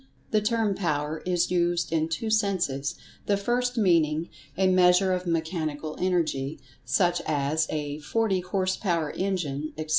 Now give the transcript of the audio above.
The term "Power" is used in two senses, the first meaning "a measure of Mechanical Energy," such as a "forty horse power engine," etc.